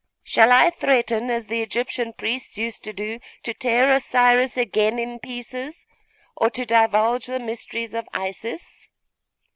Shall I threaten, as the Egyptian priests used to do, to tear Osiris again in pieces, or to divulge the mysteries of Isis?